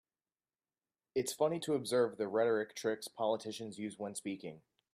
It's funny to observe the rhetoric tricks politicians use when speaking.